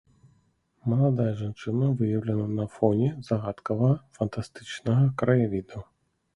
Маладая жанчына выяўлена на фоне загадкавага, фантастычнага краявіду.